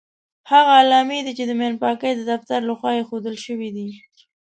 هغه علامې دي چې د ماین پاکۍ د دفتر لخوا ايښودل شوې دي.